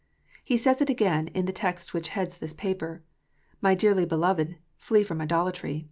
He says again, in the text which heads this paper, "My dearly beloved, flee from idolatry."